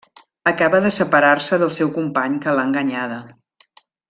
Acaba de separar-se del seu company que l'ha enganyada.